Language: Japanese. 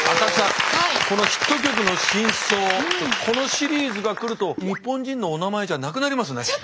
このシリーズが来ると「日本人のおなまえ」じゃなくなりますね。